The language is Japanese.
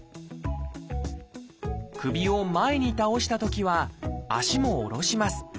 首を前に倒したときは足も下ろします。